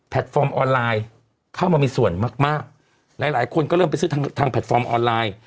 ฟอร์มออนไลน์เข้ามามีส่วนมากมากหลายหลายคนก็เริ่มไปซื้อทางทางแพลตฟอร์มออนไลน์